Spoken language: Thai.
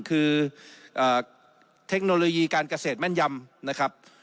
คือเทคโนโลยีการเกษตรแม่นยำนะครับ